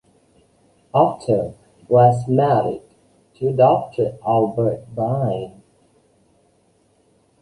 Otto was married to Doctor Albert Bind.